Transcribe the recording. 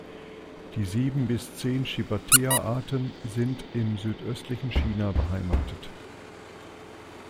Die sieben bis zehn "Shibataea"-Arten sind im südöstlichen China beheimatet.